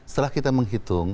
setelah kita menghitung